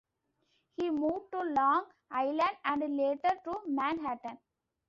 He moved to Long Island and later to Manhattan.